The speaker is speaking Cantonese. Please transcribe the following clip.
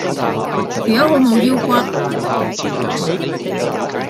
條友好冇腰骨